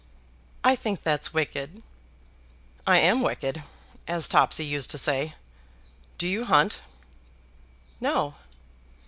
"I think that's wicked." "I am wicked, as Topsy used to say. Do you hunt?" "No."